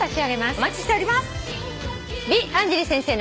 お待ちしております。